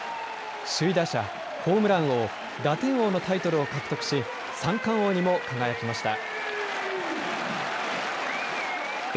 首位打者、ホームラン王打点王のタイトルを獲得し三冠王にも輝きました。